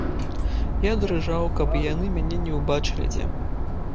Я дрыжаў, каб і яны мяне не ўбачылі дзе.